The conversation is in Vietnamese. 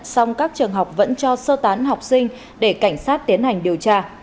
song các trường học vẫn cho sơ tán học sinh để cảnh sát tiến hành điều tra